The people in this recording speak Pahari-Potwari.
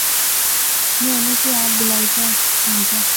میں اُنہاں کی آپ بلائی تے آنزا